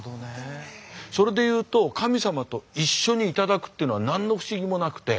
それで言うと神様と一緒にいただくっていうのは何の不思議もなくて。